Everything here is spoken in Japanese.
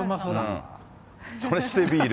そしてビール。